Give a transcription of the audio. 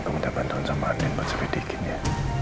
gue minta bantuan sama andien buat sepedekinnya